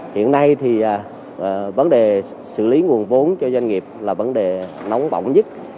hiện nay thì vấn đề xử lý nguồn vốn cho doanh nghiệp là vấn đề nóng bỏng nhất